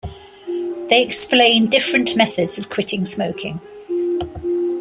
They explain different methods of quitting smoking.